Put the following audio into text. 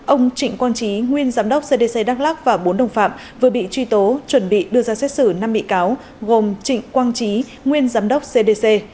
ông trịnh quang trí nguyên giám đốc cdc đắk lắc và bốn đồng phạm vừa bị truy tố chuẩn bị đưa ra xét xử năm bị cáo gồm trịnh quang trí nguyên giám đốc cdc